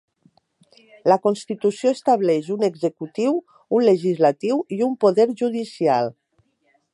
La Constitució estableix un Executiu, un legislatiu i un poder judicial.